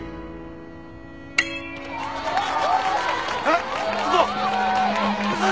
あっ！